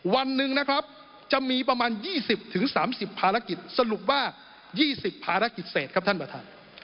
วันหนึ่งนะครับจะมีประมาณ๒๐๓๐ภารกิจสรุปว่า๒๐ภารกิจเศษครับท่านประธาน